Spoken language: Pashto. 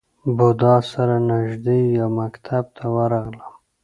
بودا سره نژدې یو مکتب ته ورغلم.